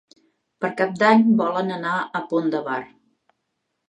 Per Cap d'Any volen anar al Pont de Bar.